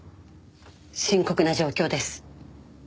深刻な状況です。